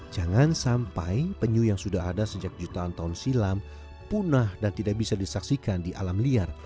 jangan sampai penyu yang sudah ada sejak jutaan tahun silam punah dan tidak bisa disaksikan di alam liar